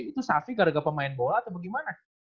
itu savi gara gara pemain bola atau bagaimana